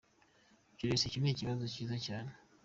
Jules: Icyo ni ikibazo cyiza cyane.